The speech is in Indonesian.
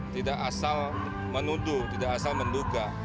tidak asal menuduh tidak asal menduga